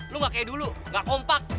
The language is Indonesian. lu gak kayak dulu gak kompak